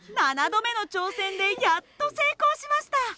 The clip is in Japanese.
７度目の挑戦でやっと成功しました。